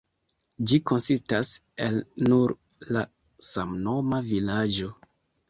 Ĝi konsistas el nur la samnoma vilaĝo.